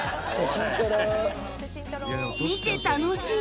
見て楽しい！